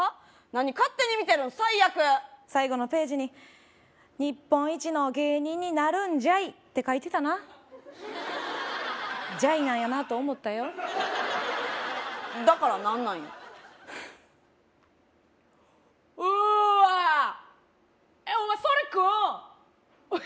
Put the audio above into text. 何勝手に見てるん最悪最後のページに「日本一の芸人になるんじゃい」って書いてたな「じゃい」なんやなと思ったよだから何なんようーわーお前それ食うん？